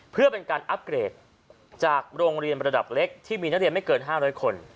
เพื่อเป็นการอัปเกรดจากโรงเรียนระดับเล็กที่มีนักเรียนไม่เกิน๕๐๐คน